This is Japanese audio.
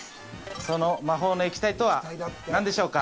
その魔法の液体とは何でしょうか？